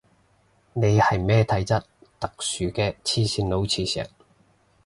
你係咩體質特殊嘅黐線佬磁石